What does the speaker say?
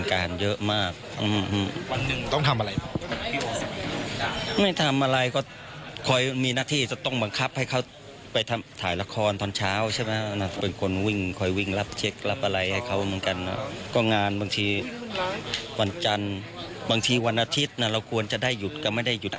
เกินเมื่อสักสันธุ์อาทิตย์นะเราควรจะได้หยุดก็ไม่ได้หยุด